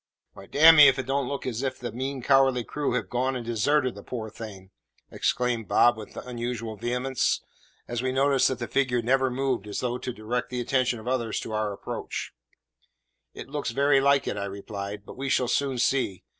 "Why, me if it don't look as if the mean cowardly crew have been and desarted the poor thing," exclaimed Bob with unusual vehemence, as we noticed that the figure never moved as though to direct the attention of others to our approach. "It looks very like it," I replied; "but we shall soon see.